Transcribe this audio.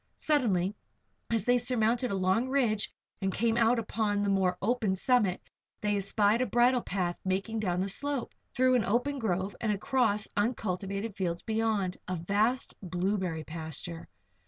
Suddenly, as they surmounted a long ridge and came out upon the more open summit, they espied a bridle path making down the slope, through an open grove and across uncultivated fields beyond a vast blueberry pasture.